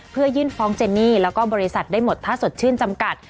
เพื่อยื่นฟ้องเจนี่แล้วก็บริษัทได้หมดถ้าสดชื่นจำกัด